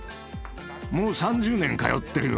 もう３０年通ってるよ！